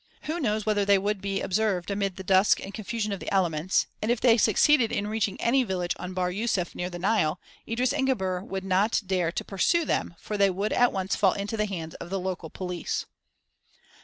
Who knows whether they would be observed amidst the dusk and confusion of the elements, and, if they succeeded in reaching any village on Bahr Yûsuf near the Nile, Idris and Gebhr would not dare to pursue them for they would at once fall into the hands of the local "police."